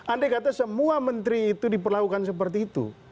andai kata semua menteri itu diperlakukan seperti itu